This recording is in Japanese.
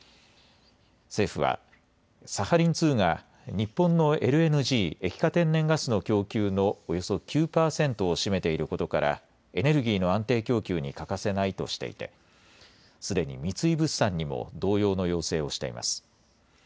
政府は、サハリン２が日本のＬＮＧ・液化天然ガスの供給のおよそ９％を占めていることから、エネルギーの安定供給に欠かせないとしていて、すでに三井物産にも同様の要請をしています。